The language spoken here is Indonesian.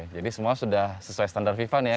jadi semua sudah sesuai standar viva nih ya